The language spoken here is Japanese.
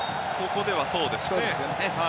ここではそうですね。